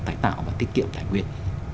tải tạo và tiết kiệm tài nguyên